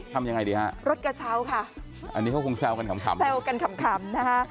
ทำยังไงดีฮะรถกระเช้าค่ะอันนี้เขาคงแซวกันขำแซวกันขำนะคะ